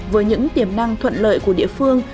với những tiềm năng thuận lợi của địa phương